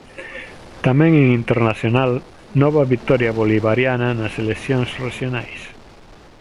Tamén en Internacional, 'Nova vitoria bolivariana nas eleccións rexionais'.